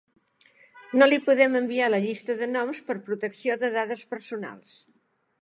No li podem enviar la llista de noms per protecció de dades personals.